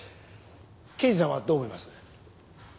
刑事さんはどう思います？